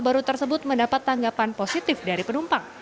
baru tersebut mendapat tanggapan positif dari penumpang